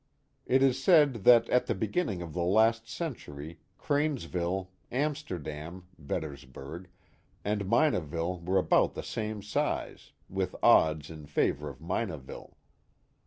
It is said that at the beginning of the last century Cranesville, Amsterdam (Veddersburg), and Minaville were about the same size, with odds in favor of Minaville.